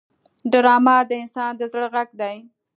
ډرامه د انسان د زړه غږ دی